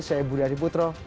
saya budi arief putro